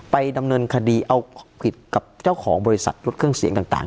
ไปดำเนินคดีเอาผิดกับเจ้าของบริษัทรถเครื่องเสียงต่าง